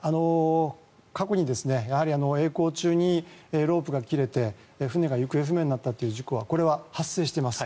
過去にえい航中にロープが切れて船が行方不明になったという事故は発生しています。